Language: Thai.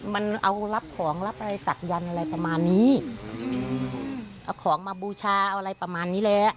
มันเอารับของรับอะไรศักยันต์อะไรประมาณนี้เอาของมาบูชาอะไรประมาณนี้แหละ